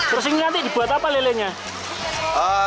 terus ingat nih dibuat apa lelenya